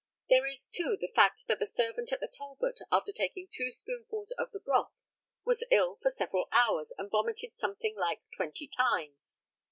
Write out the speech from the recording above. There is, too, the fact that the servant at the Talbot, after taking two spoonfuls of the broth, was ill for several hours, and vomited something like twenty times.